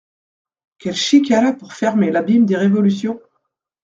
Quel chic elle a pour fermer l’abîme des révolutions !